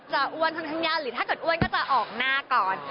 อ้วนค่อนข้างยากหรือถ้าเกิดอ้วนก็จะออกหน้าก่อน